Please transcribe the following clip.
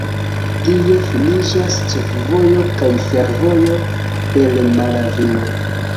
Tie finiĝas ĉefvojo kaj fervojo el Malavio.